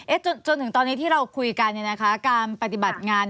จนถึงตอนนี้ที่เราคุยกันเนี่ยนะคะการปฏิบัติงาน